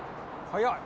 早い。